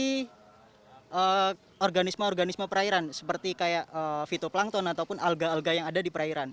dari organisme organisme perairan seperti kayak vitoplankton ataupun alga alga yang ada di perairan